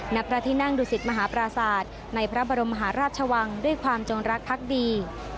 ณพระที่นั่งดุสิตมหาปราศาสตร์ในพระบรมหาราชวังด้วยความจงรักพักดี